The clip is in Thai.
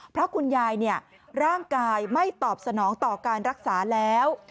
เพราะคุณยายร่างกายไม่ตอบสนองต่อการรักษาแล้ว